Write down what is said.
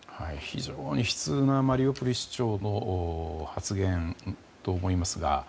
非常に悲痛なマリウポリ市長の発言と思いますが。